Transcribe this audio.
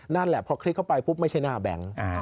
นั่นแหละพอคลิกเข้าไปปุ๊บไม่ใช่หน้าแบงค์